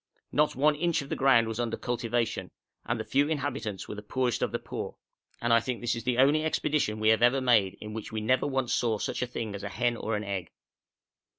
Not one inch of the ground was under cultivation, and the few inhabitants were the poorest of the poor, and I think this is the only expedition we have ever made in which we never once saw such a thing as a hen or an egg.